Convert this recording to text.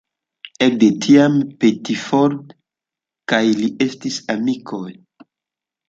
Ekde tiam Pettiford kaj li estis amikoj.